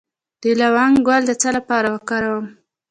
د لونګ ګل د څه لپاره وکاروم؟